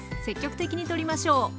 積極的にとりましょう。